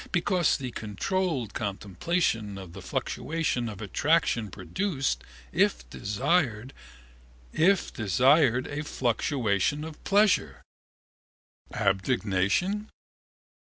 Because the controlled contemplation of the fluctuation of attraction produced, if desired, a fluctuation of pleasure. Abnegation?